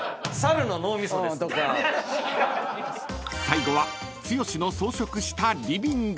［最後は剛の装飾したリビング］